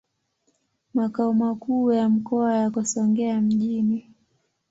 Makao makuu ya mkoa yako Songea mjini.